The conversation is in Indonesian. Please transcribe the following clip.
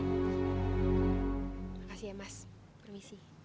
makasih ya mas permisi